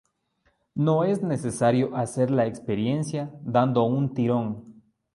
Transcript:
No es necesario hacer la experiencia dando un tirón.